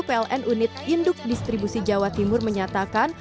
pln unit induk distribusi jawa timur menyatakan